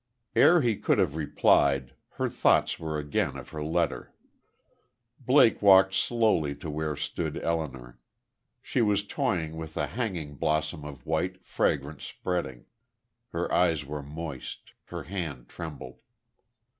Ere he could have replied, her thoughts were again of her letter. Blake walked slowly to where stood Elinor. She was toying with a hanging blossom of white, fragrant, spreading. Her eyes were moist; her hand trembled.